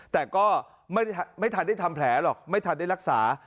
แต่ก็ไม่ทันได้ทำแผลหรอกไม่ทันได้รักษา